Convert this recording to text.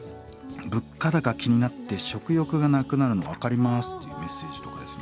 「物価高気になって食欲がなくなるの分かります」っていうメッセージとかですね。